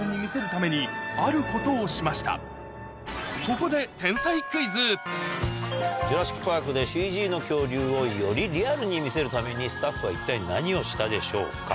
ここで『ジュラシック・パーク』でＣＧの恐竜をよりリアルに見せるためにスタッフは一体何をしたでしょうか？